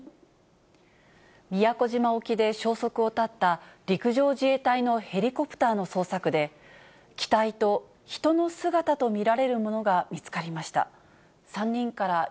宮古島沖で消息を絶った陸上自衛隊のヘリコプターの捜索で、機体と人の姿と見られるものが見つかりました。